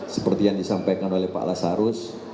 seperti yang disampaikan oleh pak lasarus